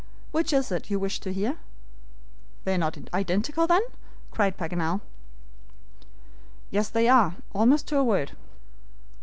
Which is it you wish to hear?" "They are not identical, then?" cried Paganel. "Yes, they are, almost to a word."